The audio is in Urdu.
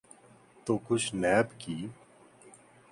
تو کچھ نیب کی۔